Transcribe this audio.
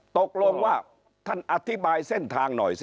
ตกลงว่าท่านอธิบายเส้นทางหน่อยสิ